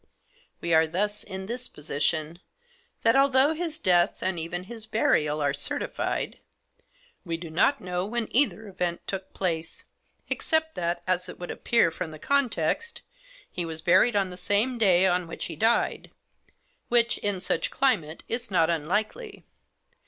We are, thus, in this position ; that, although his death, and even his burial, are certified, we do not know when either event took place ; except that, as it would appear from the con text, he was buried on the same day on which he died — which, in such a climate, is not unlikely.